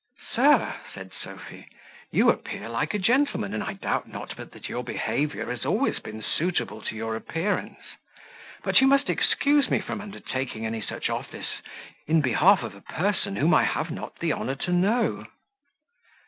"Sir," said Sophy, "you appear like a gentleman, and I doubt not but your behaviour has been always suitable to your appearance; but you must excuse me from undertaking any such office in behalf of a person whom I have not the honour to know."